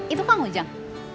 itu pak mojang